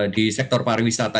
di sektor pariwisata